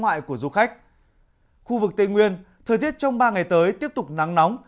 ngoài trời khu vực tây nguyên thời tiết trong ba ngày tới tiếp tục nắng nóng